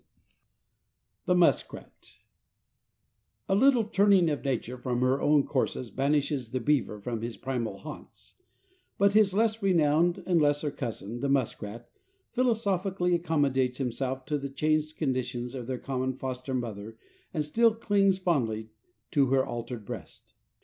XLI THE MUSKRAT A little turning of nature from her own courses banishes the beaver from his primal haunts, but his less renowned and lesser cousin, the muskrat, philosophically accommodates himself to the changed conditions of their common foster mother and still clings fondly to her altered breast.